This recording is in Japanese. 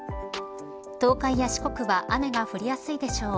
東海や四国は雨が降りやすいでしょう。